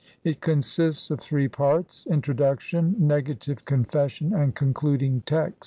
It consists of three parts :— Introduction, Ne gative Confession, and Concluding Text.